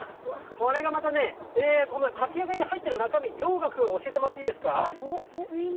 これがまたね、かき揚げに入ってる中身、りょうが君、教えてもらっていいですか。